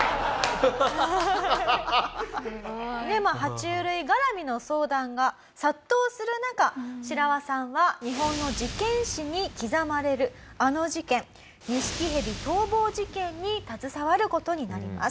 爬虫類絡みの相談が殺到する中シラワさんは日本の事件史に刻まれるあの事件ニシキヘビ逃亡事件に携わる事になります。